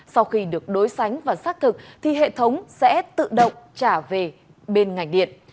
sau khi được đối sánh và xác thực thì hệ thống sẽ tự động trả về bên ngành điện